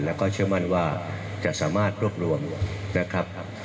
แล้วก็เชื่อมั่นว่าจะสามารถรวบรวมนะครับ